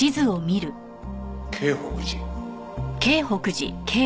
京北寺。